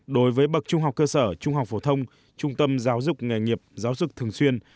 đối với bậc trung học cơ sở trung học phổ thông trung tâm giáo dục nghề nghiệp giáo dục thường xuyên